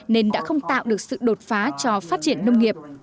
nên đã không tạo được sự đột phá cho phát triển